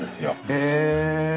へえ。